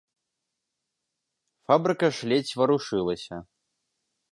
Фабрыка ж ледзь варушылася.